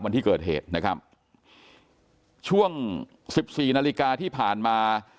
วันที่เกิดเหตุนะครับช่วงสิบสี่นาฬิกาที่ผ่านมา